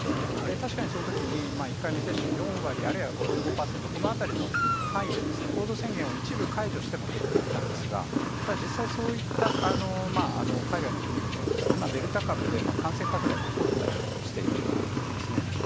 確かにそのときに、１回目接種、４割、５５％、このあたりの範囲で、行動制限を一部解除しても減っていったんですが、ただ、実際、そういった海外の国々は、今、デルタ株で感染拡大が起こったりしているということですね。